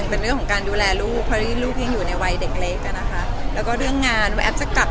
คือไม่กล้าคิดนี่ไม่ได้อยู่ในความสนใจตอนนี้